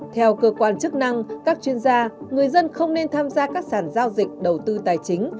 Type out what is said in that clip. theo cơ quan chức năng các chuyên gia người dân không nên tham gia các sản giao dịch đầu tư tài chính